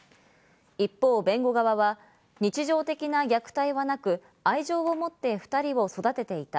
一方、弁護側は日常的な虐待はなく、愛情を持って２人を育てていた。